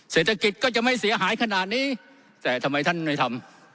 เศรษฐกิจก็จะไม่เสียหายขนาดนี้แต่ทำไมท่านไม่ทำ